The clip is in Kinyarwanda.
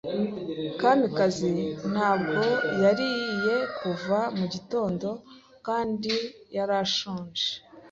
Kamikazi ntabwo yariye kuva mu gitondo kandi yarashonje.